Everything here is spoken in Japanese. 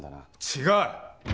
違う！